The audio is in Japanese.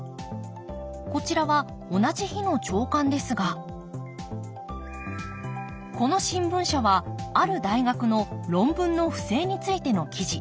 こちらは同じ日の朝刊ですがこの新聞社はある大学の論文の不正についての記事。